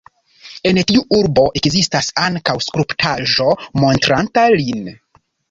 En tiu urbo ekzistas ankaŭ skulptaĵo montranta lin.